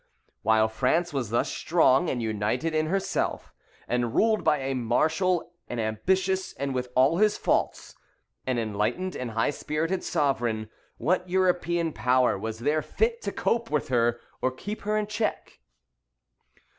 While France was thus strong and united in herself, and ruled by a martial, an ambitious, and (with all his faults) an enlightened and high spirited sovereign, what European power was there fit to cope with her, or keep her in check?